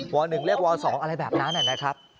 วอล๑เลือกวอล๒อะไรแบบนั้นนะครับ